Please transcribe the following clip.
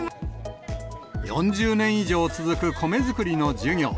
４０年以上続く米作りの授業。